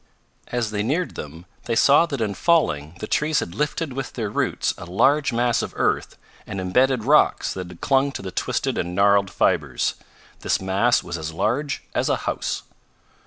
As they neared them they saw that in falling the trees had lifted with their roots a large mass of earth and imbedded rocks that had clung to the twisted and gnarled fibers. This mass was as large as a house.